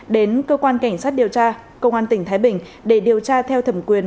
đến cơ quan cảnh sát điều tra công an tỉnh thái bình để điều tra theo thẩm quyền